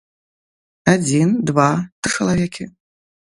Адзін, два, тры чалавекі.